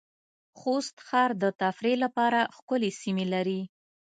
خوست ښار د تفریح لپاره ښکلې سېمې لرې